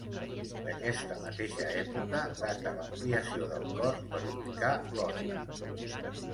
D'aquesta mateixa època data l'ampliació del cor per ubicar l'orgue.